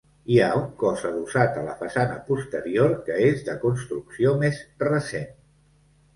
Hi ha un cos adossat a la façana posterior que és de construcció més recent.